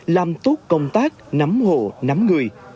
làm tốt công tác nắm hộ nắm người